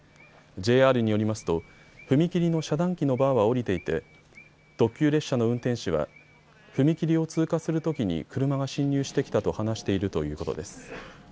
ＪＲによりますと踏切の遮断機のバーは下りていて特急列車の運転士は踏切を通過するときに車が進入してきたと話しているということです。